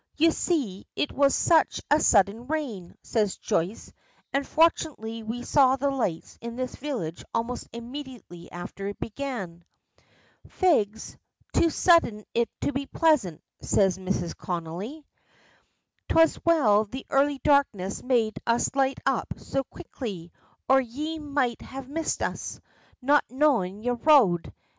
"You see, it was such a sudden rain," says Joyce, "and fortunately we saw the lights in this village almost immediately after it began." "Fegs, too suddint to be pleasant," says Mrs. Connolly. "'Twas well the early darkness made us light up so quickly, or ye might have missed us, not knowin' yer road.